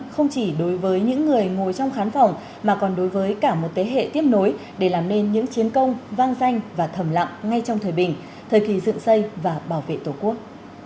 không chỉ đối với những người ngồi trong khán phòng mà còn đối với cả một thế hệ tiếp nối để làm nên những chiến công vang danh và thầm lặng ngay trong thời bình thời kỳ dựng xây và bảo vệ tổ quốc